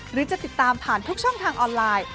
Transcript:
หรือจะติดตามผ่านทุกช่องทางออนไลน์